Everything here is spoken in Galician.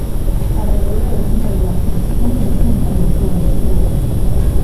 A realidade, señora Lastres, é moi distinta á que vostede describe.